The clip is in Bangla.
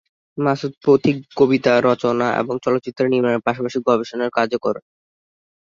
মাসুদ পথিক কবিতা রচনা এবং চলচ্চিত্র নির্মাণের পাশাপাশি গবেষণার কাজ করেন।